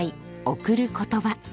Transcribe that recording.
「贈る言葉」。